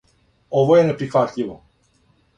Ово је неприхватљиво.